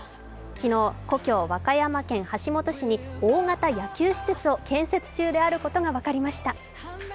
昨日、故郷・和歌山県橋本市に大型野球施設を建設中であることが分かりました。